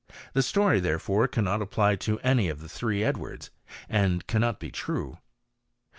The story, therefore, cannot apply to any of the three Edwards, and cannot be true.